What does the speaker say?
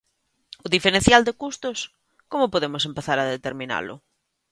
O diferencial de custos, ¿como podemos empezar a determinalo?